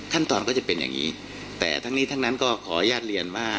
ก็จะเป็นอย่างนี้แต่ทั้งนี้ทั้งนั้นก็ขออนุญาตเรียนว่า